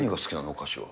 お菓子は？